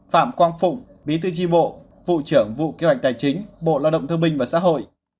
phạm quang phụng bí thư chi bộ vụ trưởng vụ kế hoạch tài chính bộ đạo động tư minh và xã hội